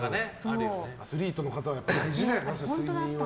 アスリートの方は大事だよな、睡眠は。